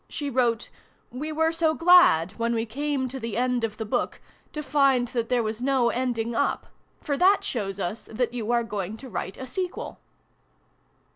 She wrote " we were so glad, when we came to the end of the book, to find that there was no ending up, for that shows us that you are going to write a sequel."